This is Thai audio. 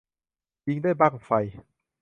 ยิงด้วยบั้งไฟ